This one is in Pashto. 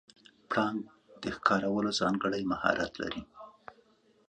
پړانګ د ښکار کولو ځانګړی مهارت لري.